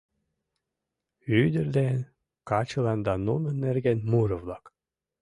Ӱдыр ден качылан да нунын нерген муро-влак.